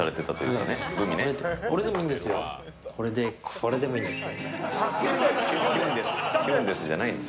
これでもいいんです。